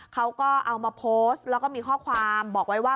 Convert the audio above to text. เขาก็เอามาโพสต์แล้วก็มีข้อความบอกไว้ว่า